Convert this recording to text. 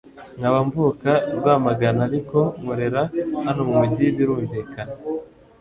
nkaba mvuka rwamagana ariko nkorera hano mumujyi birumvikana